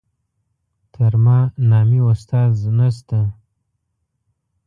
تر ما نامي استاد نشته.